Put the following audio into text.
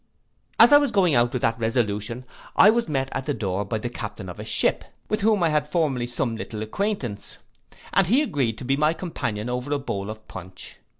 'As I was going out with that resolution, I was met at the door by the captain of a ship, with whom I had formerly some little acquaintance, and he agreed to be my companion over a bowl of punch.